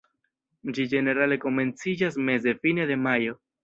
Ĝi ĝenerale komenciĝas meze-fine de majo.